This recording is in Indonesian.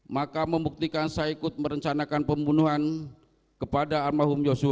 maka membuktikan saya ikut merencanakan pembunuhan kepada almarhum yosua